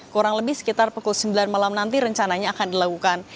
kurang lebih sekitar pukul sembilan malam nanti rencananya akan dilakukan